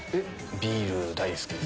ビール大好きです。